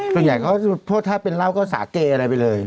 ส่วนใหญ่เขาโทษถ้าเป็นเหล้าก็สาเกอะไรไปเลย